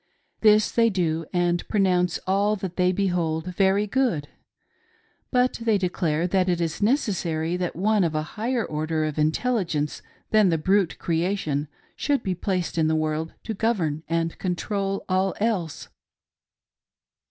This they do, and pronounce all that they behold very good ; but they declare that it is necessary that one of a higher order of intelligence than the brute creation should be placed in the world to govern and control all else.